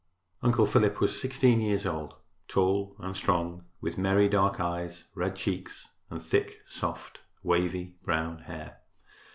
Uncle Philip was 16 years old, tall and strong, with merry dark eyes, red cheeks and thick, soft, wavy, brown hair.